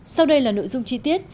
sau đây là nội dung chi tiết